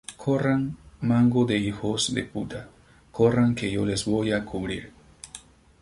Corran mango de hijos de puta, corran que yo les voy a cubrir.